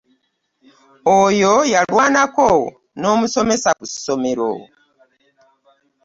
Oyo yalwanako n'omusomesa ku ssomero.